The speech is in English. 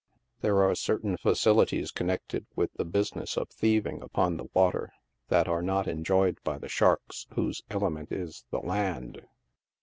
There are cer tain facilities connected with the business of thiering upon the wa ter, that are not enjoyed by the sharks whose element is the land.